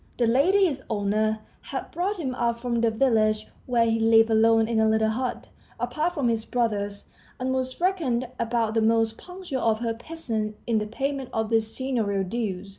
The lady, his owner, had brought him up from the village where he lived alone in a little hut, apart from his brothers, and was reckoned about the most punctual of her peasants in the payment of the seignorial dues.